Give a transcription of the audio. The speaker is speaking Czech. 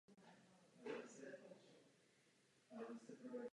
Jednotlivé prvky systému se nazývají uzly.